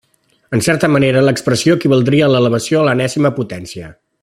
En certa manera l'expressió equivaldria a l'elevació a l'enèsima potència.